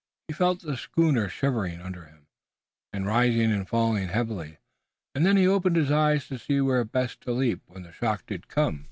He felt the schooner shivering under him, and rising and falling heavily, and then he opened his eyes to see where best to leap when the shock did come.